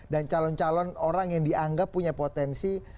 dan calon calon orang yang dianggap punya potensi